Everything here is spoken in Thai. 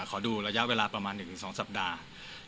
ขอดูระยะเวลาประมาณ๑๒สัปดาห์